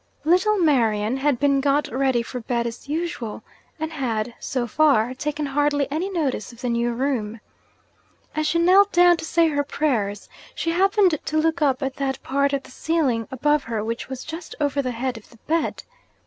Little Marian had been got ready for bed as usual, and had (so far) taken hardly any notice of the new room. As she knelt down to say her prayers, she happened to look up at that part of the ceiling above her which was just over the head of the bed.